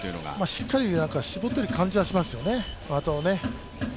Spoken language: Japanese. しっかり絞っている感じはしますよね、的をね。